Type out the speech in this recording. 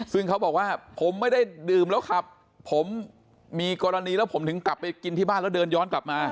ซึ่งเขาบอกว่าผมไม่ได้ดื่มแล้วขับผมมีกรณีแล้วผมถึงกลับไปกินที่บ้านแล้วเดินย้อนกลับมา